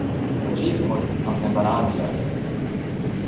عجیب ملک ہم نے بنا دیا ہے۔